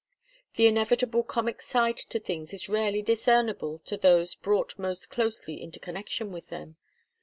The inevitable comic side to things is rarely discernible to those brought most closely into connection with them.